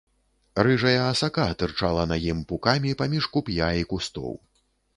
Рыжая асака тырчала на ім пукамі паміж куп'я і кустоў.